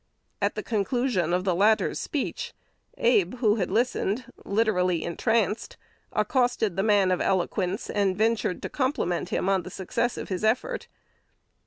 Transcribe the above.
At the conclusion of the latter's speech, Abe, who had listened, literally entranced, accosted the man of eloquence, and ventured to compliment him on the success of his effort.